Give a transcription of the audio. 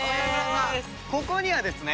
ここにはですね